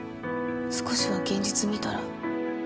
少しは現実見たら？